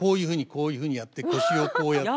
こういうふうにやって腰をこうやって。